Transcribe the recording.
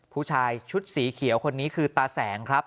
ผู้ชายชุดสีเขียวคนนี้คือตาแสงครับ